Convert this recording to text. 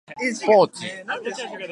ポーチ、